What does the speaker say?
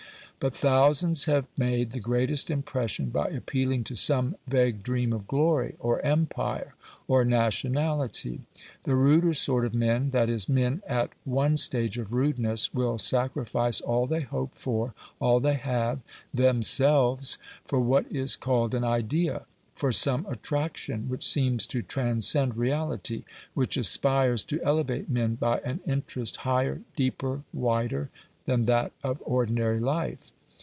But thousands have made the greatest impression by appealing to some vague dream of glory, or empire, or nationality. The ruder sort of men that is, men at ONE stage of rudeness will sacrifice all they hope for, all they have, THEMSELVES, for what is called an idea for some attraction which seems to transcend reality, which aspires to elevate men by an interest higher, deeper, wider than that of ordinary life.